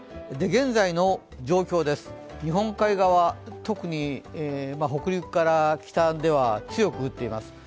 現在の状況です、日本海側、特に北陸から北では強く降っています。